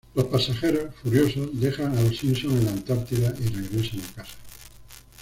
Los pasajeros, furiosos, dejan a los Simpson en la Antártida y regresen a casa.